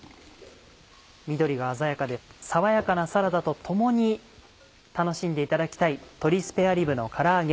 緑が鮮やかで爽やかなサラダと共に楽しんでいただきたい「鶏スペアリブのから揚げ